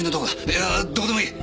いやどこでもいい！